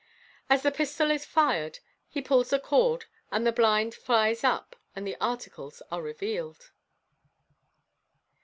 As the pistol is fired he pulls the cord, the blind nies up, and the articles are revealed.